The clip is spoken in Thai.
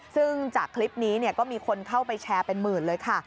ซึ่งจากคลิปนี้ก็มีคนเข้าไปแชร์เป็นหมื่นเลยค่ะ